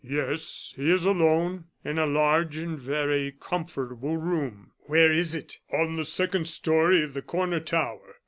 "Yes, he is alone, in a large and very comfortable room." "Where is it?" "On the second story of the corner tower."